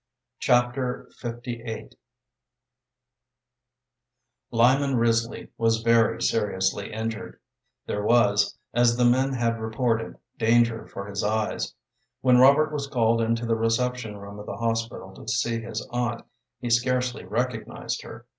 Chapter LVIII Lyman Risley was very seriously injured. There was, as the men had reported, danger for his eyes. When Robert was called into the reception room of the hospital to see his aunt, he scarcely recognized her.